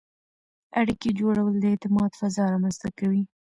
اړیکې جوړول د اعتماد فضا رامنځته کوي.